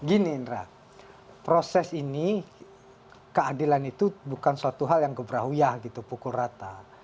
gini indra proses ini keadilan itu bukan suatu hal yang gebrauya gitu pukul rata